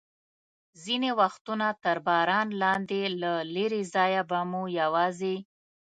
ځینې وختونه تر باران لاندې، له لرې ځایه به مو یوازې.